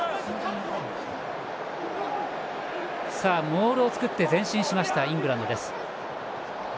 モールを作って前進しましたイングランド。